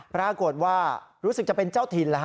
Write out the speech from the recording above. ปรากฏว่ารู้สึกจะเป็นเจ้าถิ่น